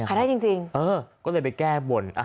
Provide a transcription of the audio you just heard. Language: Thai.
ขายได้จริง